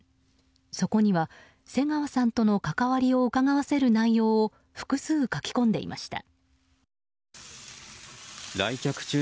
そこには瀬川さんとの関わりをうかがわせる内容を複数書き込んでいました。